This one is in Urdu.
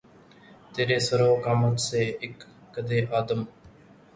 تیرے سرو قامت سے، اک قّدِ آدم